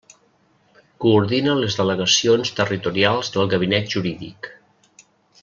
Coordina les delegacions territorials del Gabinet Jurídic.